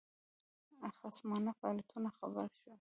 خصمانه فعالیتونو خبر شو.